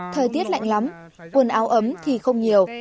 thời tiết lạnh lắm quần áo ấm thì không nhiều